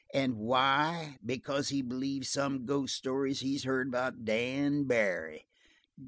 And why? Because he believes some ghost stories he's heard about Dan Barry!"